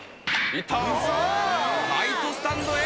ライトスタンドへ。